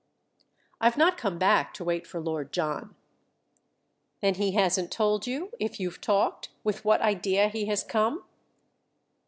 "I've not come back to wait for Lord John." "Then he hasn't told you—if you've talked—with what idea he has come?"